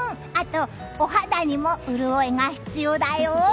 お肌にも潤いが必要だよ！